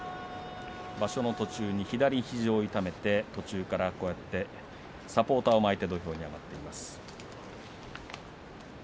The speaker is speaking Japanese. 場所の途中で左肘を痛めて途中からサポーターを巻いて土俵に上がっています。